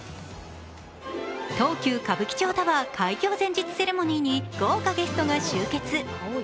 東急歌舞伎町タワー開業前日セレモニーに豪華ゲストが集結。